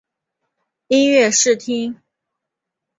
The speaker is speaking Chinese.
音乐试听